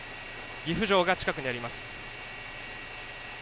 岐阜城が近くにあります。